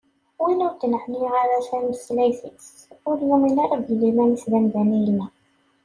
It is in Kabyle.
Win ur d-neɛni ara tameslayt-is, ur yumin ara belli iman-is d amdan i yella.